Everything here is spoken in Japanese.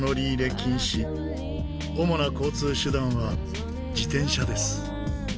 主な交通手段は自転車です。